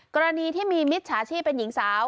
กรณีที่มีมิจฉาชีพเป็นหญิงสาว